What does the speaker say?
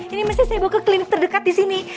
ini mesti saya bawa ke klinik terdekat di sini